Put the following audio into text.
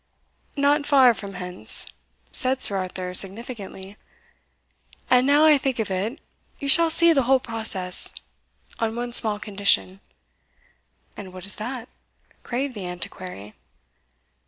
"Not far from hence," said Sir Arthur, significantly. "And naow I think of it, you shall see the whole process, on one small condition." "And what is that?" craved the Antiquary.